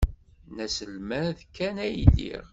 D aselmad kan ay lliɣ.